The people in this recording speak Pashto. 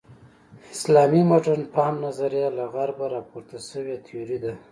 اسلامي مډرن فهم نظریه له غرب راپور شوې تیوري ده.